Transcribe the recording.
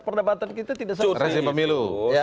perdebatan kita tidak seperti itu